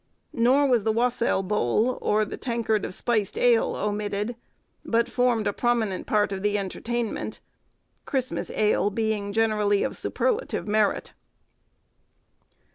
Nor was the wassail bowl, or the tankard of spiced ale, omitted, but formed a prominent part of the entertainment; Christmas ale being generally of superlative merit.